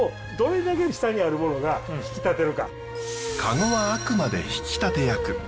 籠はあくまで引き立て役。